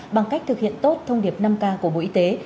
bằng cách thực hiện tốt thông điệp năm k của bộ y tế